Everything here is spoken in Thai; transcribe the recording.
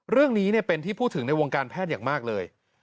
เรื่องนี้เป็นที่พูดถึงในวงการแพทย์อย่างมากเลย